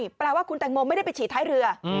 แปลว่าคุณแตงโมไม่ได้ไปฉีดท้ายเรือ